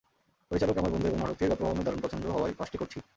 পরিচালক আমার বন্ধু এবং নাটকটির গল্পভাবনা দারুণ পছন্দ হওয়ায় কাজটি করছি।